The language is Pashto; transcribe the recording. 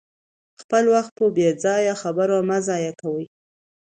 خپل وخت په بې ځایه خبرو مه ضایع کوئ.